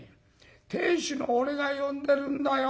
亭主の俺が呼んでるんだよ。